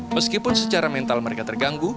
meskipun secara mental mereka terganggu